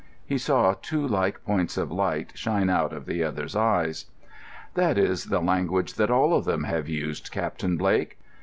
He saw two like points of light shine out in the other's eyes. "That is the language that all of them have used, Captain Blake.